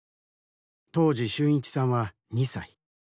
当時春一さんは２歳。